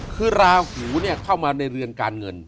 คือราหูเข้ามาในเรือนการเงิน